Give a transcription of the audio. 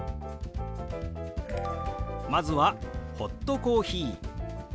まずは「ホットコーヒー」。